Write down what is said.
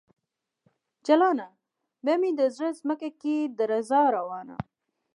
جلانه ! بیا مې د زړه ځمکه کې درزا روانه